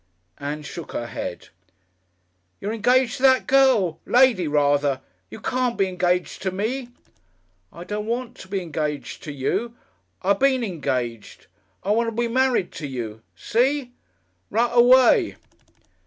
Ann shook her head. "You're engaged to that girl. Lady, rather. You can't be engaged to me." "I don't want to be engaged to you. I been engaged. I want to be married to you. See? Rightaway."